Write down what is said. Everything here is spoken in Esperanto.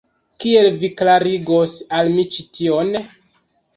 Kiel vi klarigos al mi ĉi tion?